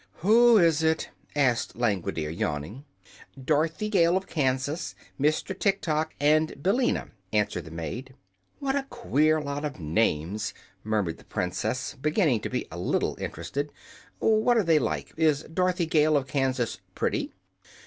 "Who is it?" asked Langwidere, yawning. "Dorothy Gale of Kansas, Mr. Tiktok and Billina," answered the maid. "What a queer lot of names!" murmured the Princess, beginning to be a little interested. "What are they like? Is Dorothy Gale of Kansas pretty?"